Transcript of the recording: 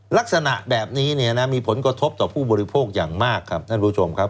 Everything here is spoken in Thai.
ลักษณะแบบนี้เนี่ยนะมีผลกระทบต่อผู้บริโภคอย่างมากครับท่านผู้ชมครับ